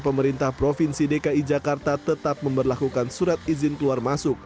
pemerintah provinsi dki jakarta tetap memperlakukan surat izin keluar masuk